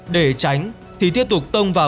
để tránh thì tiếp tục tông vào